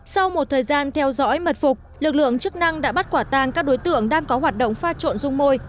sau một thời gian theo dõi mật phục lực lượng chức năng đã bắt quả tang các đối tượng đang có hoạt động pha trộn dung môi